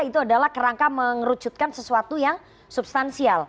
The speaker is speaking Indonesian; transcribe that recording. itu adalah kerangka mengerucutkan sesuatu yang substansial